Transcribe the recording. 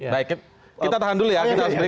baik kita tahan dulu ya